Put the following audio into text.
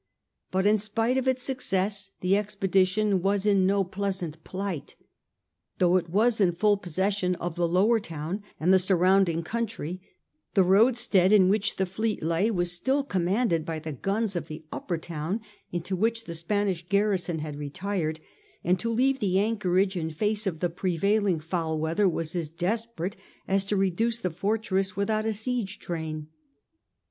But in spite of its success the expedition was in no pleasant plight. Though it was in full possession of the Lower Town and the surround ing country, the roadstead in which the fleet lay was still commanded by the guns of the Upper Town into which the Spanish garrison had retired, and to leave the anchorage in face of the prevailing foul weather was as desperate as to reduce the fortress without a siege train.